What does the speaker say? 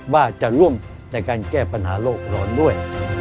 ว่าจะร่วมในการแก้ปัญหาโรคร้อนด้วย